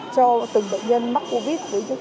cho từng bệnh nhân mắc covid